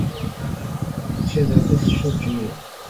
সে যথেষ্ট দৃঢ়।